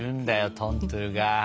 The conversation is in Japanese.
トントゥ！